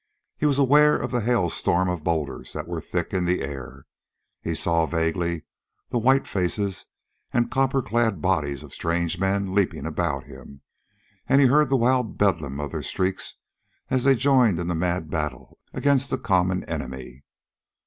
He was aware of the hailstorm of boulders that were thick in the air. He saw vaguely the white faces and copper clad bodies of strange men leaping about him, and he heard the wild bedlam of their shrieks as they joined in the mad battle against the common enemy.